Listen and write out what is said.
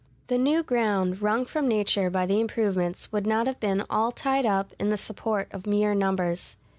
The new ground wrung from nature by the improvements would not have been all tied up in the support of mere numbers.